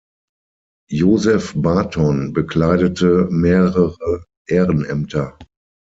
Josef Bartoň bekleidete mehrere Ehrenämter.